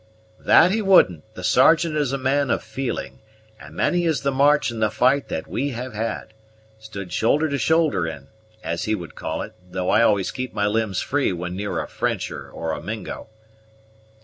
"That he wouldn't; the Sergeant is a man of feeling, and many is the march and the fight that we have had stood shoulder to shoulder in, as he would call it though I always keep my limbs free when near a Frencher or a Mingo."